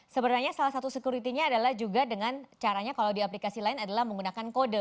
sebenarnya salah satu security nya adalah juga dengan caranya kalau di aplikasi lain adalah menggunakan kode